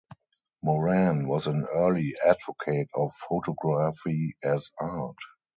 Moran was an early advocate of photography as art.